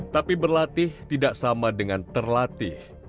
tapi berlatih tidak sama dengan terlatih